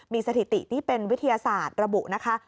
มีสถิติที่เป็นวิทยาศาสตร์ระบุนะคะ